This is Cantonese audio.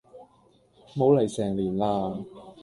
冇嚟成年喇